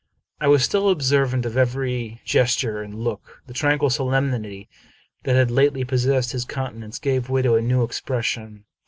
I was still observant of every gesture and look. The tranquil solemnity that had lately possessed his countenance gave way to a new expres sion.